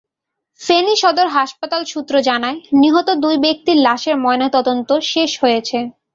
ফেনী সদর হাসপাতাল সূত্র জানায়, নিহত দুই ব্যক্তির লাশের ময়নাতদন্ত শেষ হয়েছে।